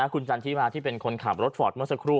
คุณจันทิมาที่เป็นคนขับรถฟอร์ตเมื่อสักครู่